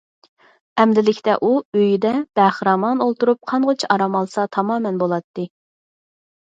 ئەمدىلىكتە ئۇ ئۆيىدە بەخىرامان ئولتۇرۇپ قانغۇچە ئارام ئالسا تامامەن بولاتتى.